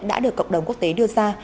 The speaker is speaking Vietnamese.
đã được cộng đồng quốc tế đưa ra